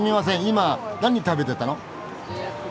今何食べてたの？